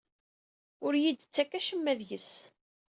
Ur iyi-d-ttakk acemma seg-s.